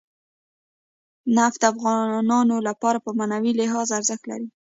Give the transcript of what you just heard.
نفت د افغانانو لپاره په معنوي لحاظ ارزښت لري.